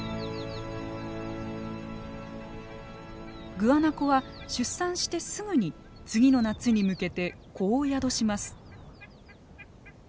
グアナコは出産してすぐに次の夏に向けて子を宿します。